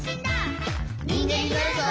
「にんげんになるぞ！」